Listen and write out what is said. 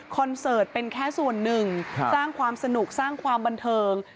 เสิร์ตเป็นแค่ส่วนหนึ่งสร้างความสนุกสร้างความบันเทิง